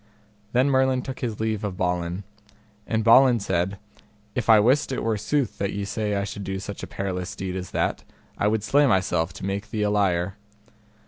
Then Merlin took his leave of Balin. And Balin said, If I wist it were sooth that ye say I should do such a perilous deed as that, I would slay myself to make thee a liar.